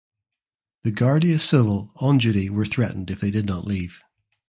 The "Guardia Civil" on duty were threatened if they did not leave.